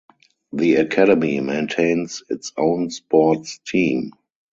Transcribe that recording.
The academy maintains its own sports team.